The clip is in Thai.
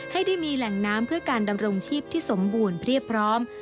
ให้ได้มีแหล่งน้ำเพื่อการดำรงชีพที่สมบูรณ์เรียบพร้อม